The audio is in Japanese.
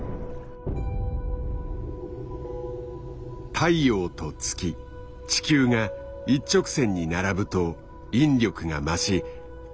太陽と月地球が一直線に並ぶと引力が増し干満の差が最大となる。